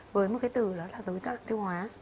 với một cái từ đó là dối loạn tiêu hóa